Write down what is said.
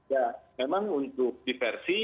ya memang untuk diversi